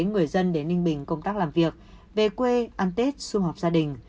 người dân đến ninh bình công tác làm việc về quê ăn tết xu hợp gia đình